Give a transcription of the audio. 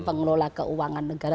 pengelola keuangan negara